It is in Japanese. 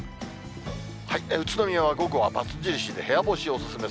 宇都宮は午後はバツ印で部屋干しをお勧め。